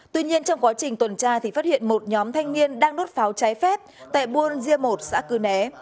tuy nhiên trong quá trình tuần tra thì phát hiện một nhóm thanh niên đang đốt pháo trái phép tại buôn diê một xã cư né